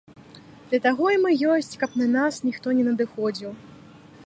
Для таго і мы ёсць, каб на нас ніхто не надыходзіў.